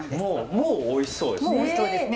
もうおいしそうですね！